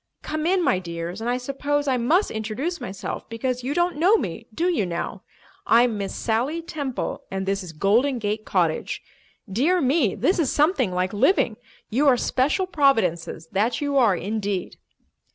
Come in, my dears, and I suppose I must introduce myself because you don't know me, do you now? I'm Miss Sally Temple, and this is Golden Gate Cottage. Dear me, this is something like living. You are special providences, that you are, indeed!"